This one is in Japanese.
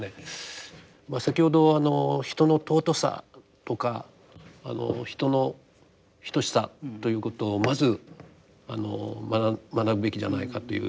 先ほど人の尊さとか人の等しさということをまず学ぶべきじゃないかということを若松さんがおっしゃったんですね。